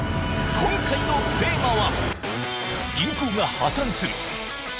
今回のテーマは？